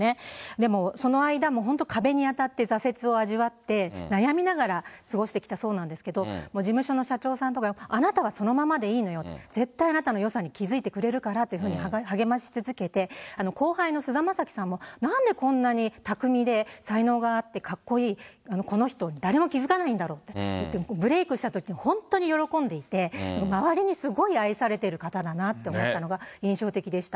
でも、その間も本当、壁に当たって、挫折を味わって、悩みながら過ごしてきたそうなんですけど、事務所の社長さんとか、あなたはそのままでいいのよと、絶対、あなたのよさに気付いてくれるからっていうふうに励まし続けて、後輩の菅田将暉さんも、なんでこんなに巧みで才能があってかっこいい、この人に誰も気付かないんだろうって、ブレークしたとき、本当に喜んでいて、周りにすっごい愛されてる方だなって思ったのが印象的でした。